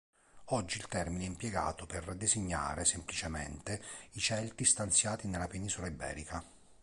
Oggi il termine è impiegato per designare, semplicemente, i Celti stanziati nella Penisola iberica.